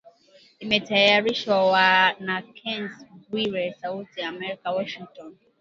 Imetayarishwa na Kennes Bwire, Sauti Ya Amerika, Washington